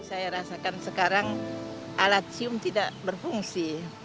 saya rasakan sekarang alat cium tidak berfungsi